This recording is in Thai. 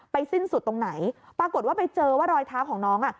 สิ้นสุดตรงไหนปรากฏว่าไปเจอว่ารอยเท้าของน้องอ่ะ